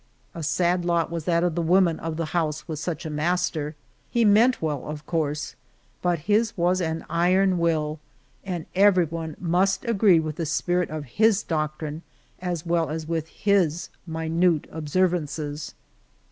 A sad lot was that of the women of the house with such a master. He meant well, of course, but his was an iron will, and every one must agree with the spirit of his doctrine as well as with his minute observances.